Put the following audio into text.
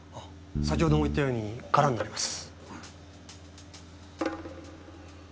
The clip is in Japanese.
先ほども言ったように空になります。